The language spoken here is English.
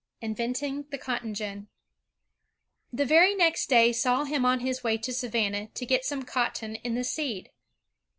Inventing the Cotton Gin The very next day saw him on his way to Savannah to get some cotton in the seed.